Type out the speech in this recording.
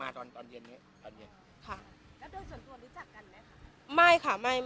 แล้วเด็กส่วนส่วนรู้จักกันไหมคะ